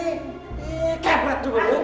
ii kepet dulu